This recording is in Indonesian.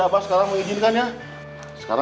aduh berarahu ini tete